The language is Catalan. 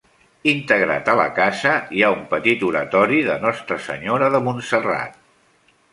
Integrat a la casa hi ha un petit oratori de Nostra Senyora de Montserrat.